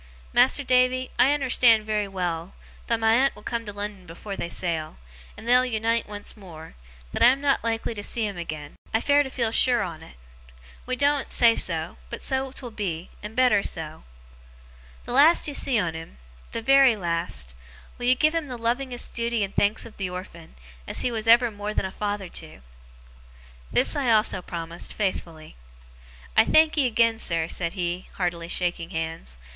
Mas'r Davy, I unnerstan' very well, though my aunt will come to Lon'on afore they sail, and they'll unite once more, that I am not like to see him agen. I fare to feel sure on't. We doen't say so, but so 'twill be, and better so. The last you see on him the very last will you give him the lovingest duty and thanks of the orphan, as he was ever more than a father to?' This I also promised, faithfully. 'I thankee agen, sir,' he said, heartily shaking hands.